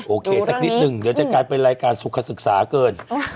สักนิดนึงเดี๋ยวจะกลายเป็นรายการสุขศึกษาเกิน